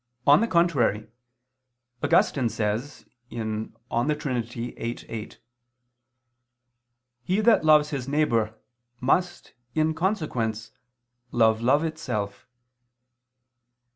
On the contrary, Augustine says (De Trin. viii, 8): "He that loves his neighbor, must, in consequence, love love itself."